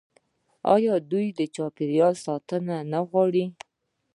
آیا دوی د چاپیریال ساتنه نه غواړي؟